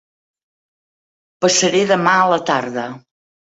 Passaré demà a la tarda.